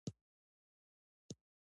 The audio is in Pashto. ازادي راډیو د بیکاري ته پام اړولی.